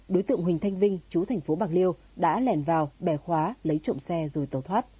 đối tượng huỳnh thanh vinh chú tp bạc liêu đã lèn vào bè khóa lấy trộm xe rồi tàu thoát